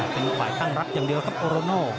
เป็นฝ่ายตั้งรับอย่างเดียวครับโอโรโน